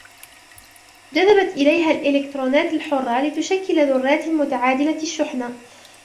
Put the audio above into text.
جذبت إليها الإلكترونات الحرة لتشكل ذرات متعادلة الشحنة